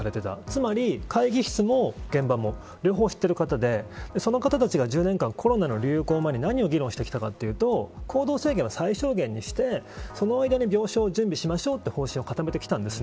つまり会議室も現場も両方知っている方でその方たちが１０年間コロナの流行まで何を議論してきたかというと行動制限は最小限にしてその間に病床を準備しましょうという方針を固めできたんです。